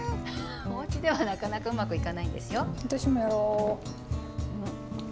おうちではなかなかうまくいかないんですよ。